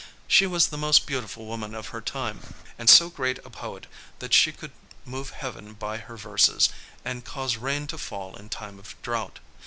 She was the most beautiful woman of her time, and so great a poet that she could move heaven by her verses, and cause rain to fall in time of drought.